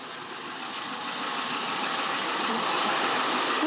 よいしょ。